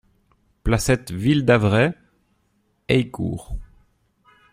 Placette Ville d'Avray, Heillecourt